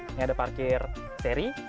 ini ada parkir seri